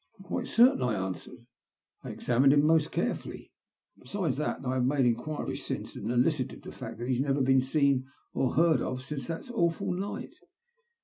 " "Quite certain," I answered. "I examined him most carefully. Besides, I have made enquiries since and elicited the fact that he has never been seen or heard of since that awful night.